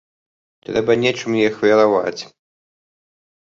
Трэба нечым і ахвяраваць.